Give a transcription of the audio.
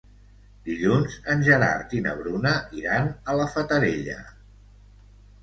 Dilluns en Gerard i na Bruna iran a la Fatarella.